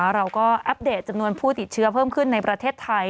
อัปเดตจำนวนผู้ติดเชื้อเพิ่มขึ้นในประเทศไทย